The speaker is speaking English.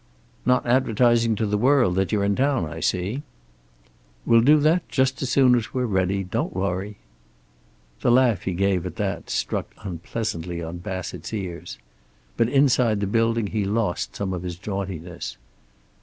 "Not advertising to the world that you're in town, I see." "We'll do that, just as soon as we're ready. Don't worry." The laugh he gave at that struck unpleasantly on Bassett's ears. But inside the building he lost some of his jauntiness.